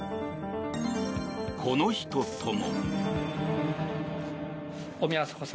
この人とも。